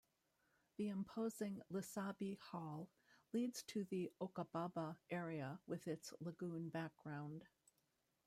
The imposing Lisabi Hall leads to the Okobaba area with its lagoon background.